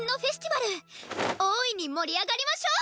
大いに盛り上がりましょう！